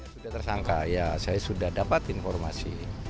sudah tersangka ya saya sudah dapat informasi